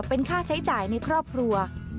เป็นค่าใช้จ่ายในครอบครัว